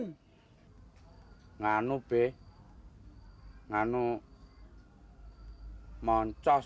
hai ngamu p satu hai mancos